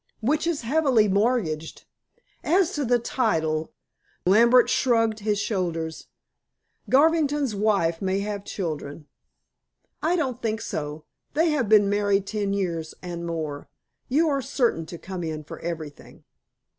"Which is heavily mortgaged. As to the title" Lambert shrugged his shoulders "Garvington's wife may have children." "I don't think so. They have been married ten years and more. You are certain to come in for everything."